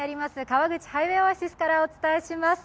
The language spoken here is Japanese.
川口ハイウェイオアシスからお伝えします。